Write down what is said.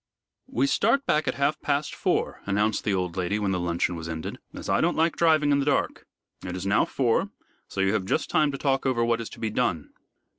"We start back at half past four," announced the old lady, when the luncheon was ended, "as I don't like driving in the dark. It is now four, so you have just time to talk over what is to be done."